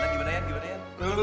sampai sendok nih ya